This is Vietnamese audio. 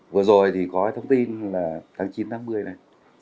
vừa rồi thì có thông tin là tháng chín tháng một mươi này